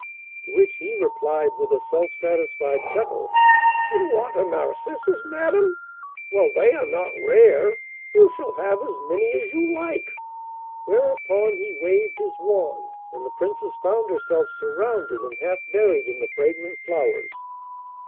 To which he replied with a self satisfied chuckle: 'You want a narcissus, madam? Well, they are not rare; you shall have as many as you like.' Whereupon he waved his wand, and the Princess found herself surrounded and half buried in the fragrant flowers.